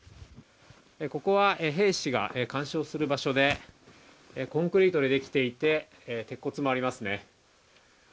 ここは兵士が監視をする場所で、コンクリートで出来ていて、鉄骨もありますね。